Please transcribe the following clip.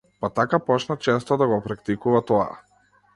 Па така почна често да го практикува тоа.